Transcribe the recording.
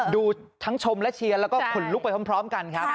ดูทั้งชมและเชียร์แล้วก็ขนลุกไปพร้อมกันครับ